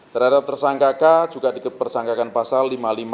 terhadap tersangka k juga diperjangkakan pasal lima ribu lima ratus lima puluh enam